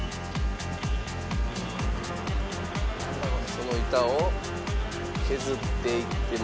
その板を削っていってます。